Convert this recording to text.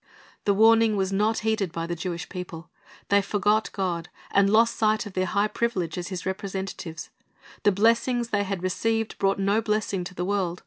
"^ The warning was not heeded by the Jewish people. They forgot God, and lost sight of their high privilege as His representatives. The blessings they had received brought no blessing to the world.